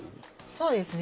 そうですね